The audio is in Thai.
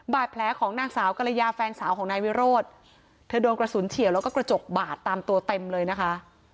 บาดแผลของนางสาวกรยาแฟนสาวของนายวิโรธเธอโดนกระสุนเฉียวแล้วก็กระจกบาดตามตัวเต็มเลยนะคะ